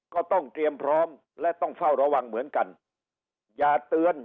ก็ต้องเตรียมพร้อมและต้องเฝ้าระวังเหมือนกันอย่าเตือน